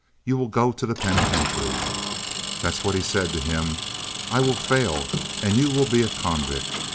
You will go to the penitentiary.'? That's what he said to him. 'I will fail and you will be a convict.